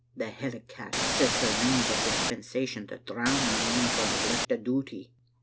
The hellicat says the rain's a dispensation to drown him in for neglect o' duty.